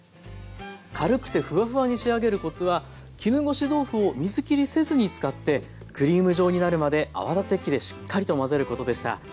軽くてフワフワに仕上げるコツは絹ごし豆腐を水きりせずに使ってクリーム状になるまで泡立て器でしっかりと混ぜることでした。